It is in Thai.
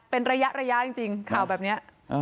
เป็นระยะจริงข่าวแบบนี้